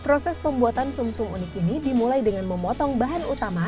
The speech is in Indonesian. proses pembuatan sum sum unik ini dimulai dengan memotong bahan utama